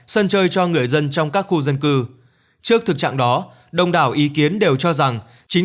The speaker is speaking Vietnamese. sân chơi cho người dân trong các khu dân cư trước thực trạng đó đông đảo ý kiến đều cho rằng chính